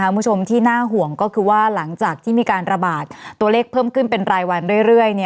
คุณผู้ชมที่น่าห่วงก็คือว่าหลังจากที่มีการระบาดตัวเลขเพิ่มขึ้นเป็นรายวันเรื่อย